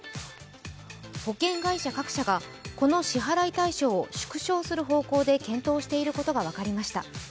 保険会社各社がこの支払い対象を縮小する方向で検討していることが分かりました。